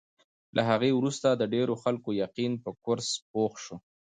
له هغې وروسته د ډېرو خلکو یقین په کورس پوخ شو.